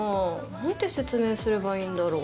何て説明すればいいんだろう？